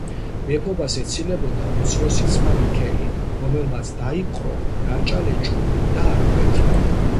მეფობას ეცილებოდა უმცროსი ძმა მიქელი, რომელმაც დაიპყრო რაჭა-ლეჩხუმი და არგვეთი.